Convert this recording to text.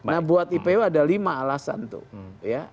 nah buat ipw ada lima alasan tuh ya